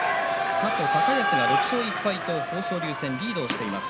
過去、高安が６勝１敗と豊昇龍戦はリードしています。